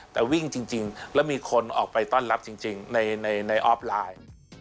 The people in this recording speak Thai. แต่วิ่งจริงแล้วมีคนออกไปต้อนรับจริงในออฟไลน์